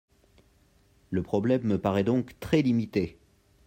Le problème me paraît donc très limité.